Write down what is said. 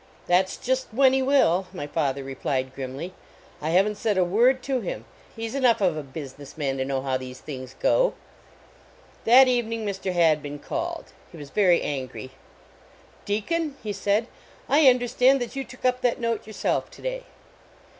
" That s just when he will," my father re plied, grimly. I haven t said a word to him ; he s enough of a business man to know how these things go." That evening Mr. Hadbin called. He was very angry. "Deacon," he said, " I understand that you took up that note yourself to day."